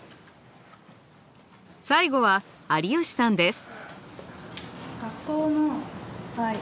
最後は有吉さんです。